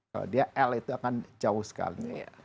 kalau dia l itu akan jauh sekali